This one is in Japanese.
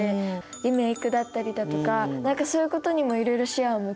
リメークだったりだとか何かそういうことにもいろいろ視野を向けて。